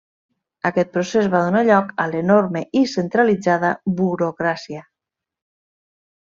Aquest procés va donar lloc a l'enorme i centralitzada burocràtica.